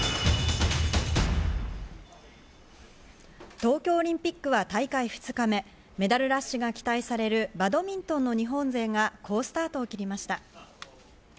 東京オリンピックは開会２日目、メダルラッシュが期待されるバドミントンの日本勢が好スタートを切りました。